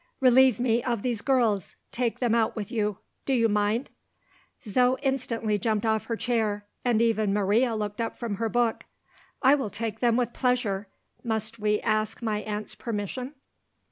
"Relieve me of these girls. Take them out with you. Do you mind?" Zo instantly jumped off her chair; and even Maria looked up from her book. "I will take them with pleasure. Must we ask my aunt's permission?"